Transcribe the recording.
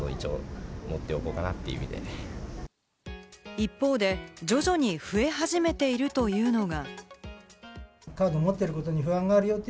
一方で、徐々に増え始めているというのが。